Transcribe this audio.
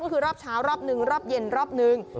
ก็คือรอบเช้ารอบนึงรอบเย็นรอบนึง